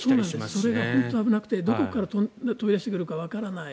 それが本当に危なくてどこから飛び出してくるかわからない。